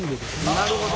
なるほど。